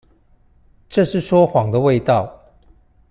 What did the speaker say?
這是說謊的味道